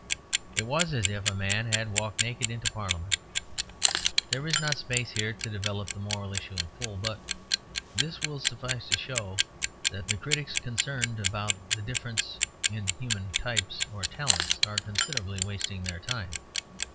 It was as if a man had walked naked into Parliament. There is not space here to develop the moral issue in full, but this will suffice to show that the critics concerned about the difference in human types or talents are considerably wasting their time.